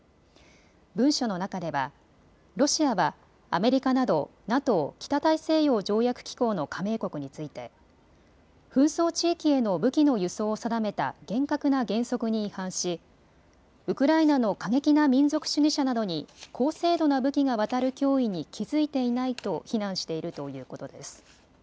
文書の中ではロシアはアメリカなどＮＡＴＯ・北大西洋条約機構の加盟国について紛争地域への武器の輸送を定めた厳格な原則に違反しウクライナの過激な民族主義者などに高精度な武器が渡る脅威に気付いていないと非難しているということです。